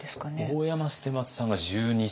大山捨松さんが１２歳。